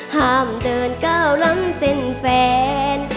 ห้ามเตินก้าวล้ำเส้นแฟน